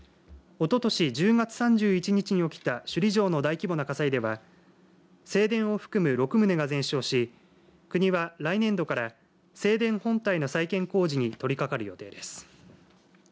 おととし１０月３１日に起きた首里城の大規模な火災では正殿を含む６棟が全焼し国は来年度から正殿本体の再建工事に取りかかる予定です。